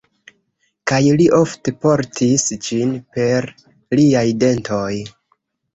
Kaj li ofte portis ĝin per liaj dentoj.